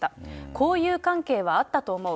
交友関係はあったと思う。